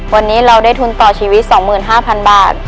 วันนี้เราได้ทุนต่อชีวิต๒๕๐๐๐บาท